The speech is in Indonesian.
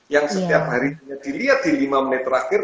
yang setiap harinya dilihat di lima menit terakhir